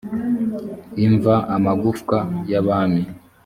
imva amagufwa y’abami